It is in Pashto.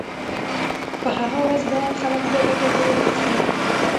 په هغه ورځ به خلک ډلې ډلې ورګرځي